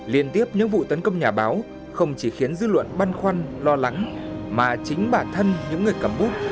liên tiếp những vụ tấn công nhà báo không chỉ khiến dư luận băn khoăn lo lắng mà chính bản thân những người cầm bút